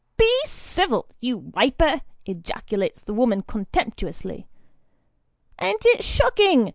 " Be civil, you wiper !" ejaculates the woman contemptuously. " An't it shocking